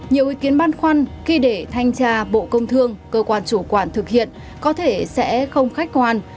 nhiều ý kiến băn khoăn khi để thanh tra bộ công thương cơ quan chủ quản thực hiện có thể sẽ không khách quan